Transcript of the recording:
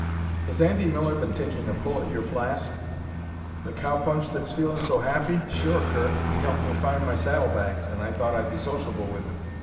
"Has Andy Miller been taking a pull at your flask?" "The cow punch that's feeling so happy? Sure, Curt. He helped me find my saddle bags, and I thought I'd be sociable with him.